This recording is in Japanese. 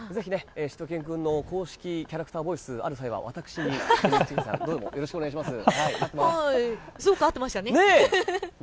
しゅと犬くんの公式キャラクターボイスある際は私にどうぞよろしくお願いします。